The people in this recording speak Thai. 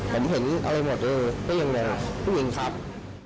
ผมเห็นอะไรหมดเลยไม่อย่างนั้นผู้หญิงครับ